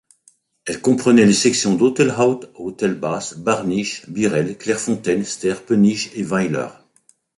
Elle comprenait les sections d’Autelhaut, Autelbas, Barnich, Birel, Clairefontaine, Sterpenich et Weyler.